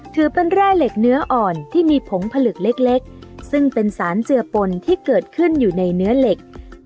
ถือเป็นแร่เหล็กเนื้ออ่อนที่มีผงผลึกเล็กซึ่งเป็นสารเจือปนที่เกิดขึ้นอยู่ในเนื้อเหล็ก